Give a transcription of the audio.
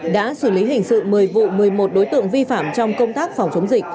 đã xử lý hình sự một mươi vụ một mươi một đối tượng vi phạm trong công tác phòng chống dịch